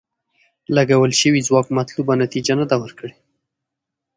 لګول شوی ځواک مطلوبه نتیجه نه ده ورکړې.